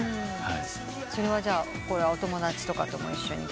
それはお友達とかとも一緒に？